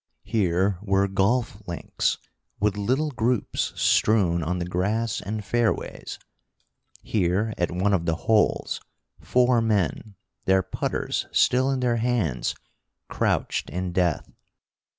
Here were golf links, with little groups strewn on the grass and fairways; here, at one of the holes, four men, their putters still in their hands, crouched in death.